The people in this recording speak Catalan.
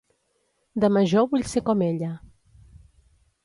De major vull ser com ella.